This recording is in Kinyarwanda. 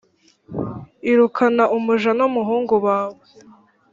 irukana umuja n’umuhungu bawe